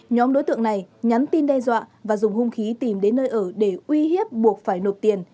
nhóm đối tượng này nhắn tin đe dọa và dùng hung khí tìm đến nơi ở để uy hiếp buộc phải nộp tiền